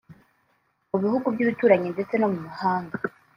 mu bihugu by’ibituranyi ndetse no mu mahanga